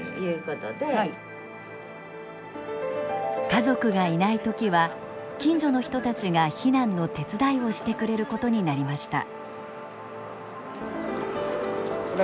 家族がいない時は近所の人たちが避難の手伝いをしてくれることになりました。